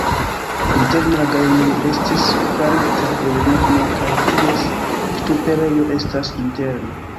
Interne la galerio estis farita el ligno kaj ties ŝtuperejo estas interne.